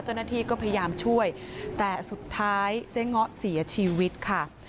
เจ้าหน้าที่ก็พยายามช่วยแต่สุดท้ายเจ๊ง้อเสียชีวิตค่ะ